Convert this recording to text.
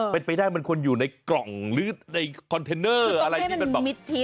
ไปไปได้มันควรอยู่ในกล่องหรือในคอนเทนเนอร์คือต้องให้มันมิดชิด